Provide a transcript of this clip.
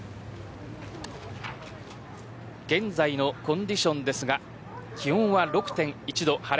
現在のコンディションですが気温は６．１度、晴れ。